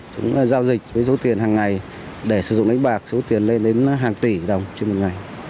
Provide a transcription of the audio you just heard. chúng giao dịch với số tiền hàng ngày để sử dụng đánh bạc số tiền lên đến hàng tỷ đồng trên một ngày